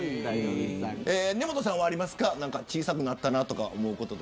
根本さんはありますか小さくなったなって思うこと。